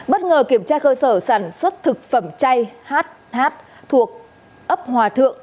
bất ngờ kiểm tra cơ sở sản xuất thực phẩm chay hh thuộc ấp hòa thượng